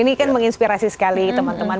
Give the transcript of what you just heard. ini kan menginspirasi sekali teman teman